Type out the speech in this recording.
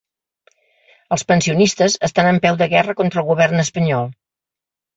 Els pensionistes estan en peu de guerra contra el govern espanyol.